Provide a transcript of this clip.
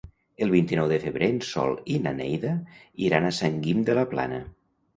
El vint-i-nou de febrer en Sol i na Neida iran a Sant Guim de la Plana.